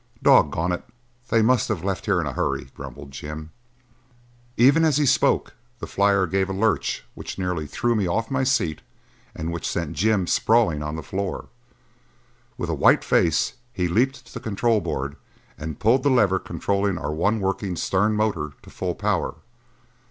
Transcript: "Doggone it, they must have left here in a hurry," grumbled Jim. Even as he spoke the flyer gave a lurch which nearly threw me off my seat and which sent Jim sprawling on the floor. With a white face he leaped to the control board and pulled the lever controlling our one working stern motor to full power.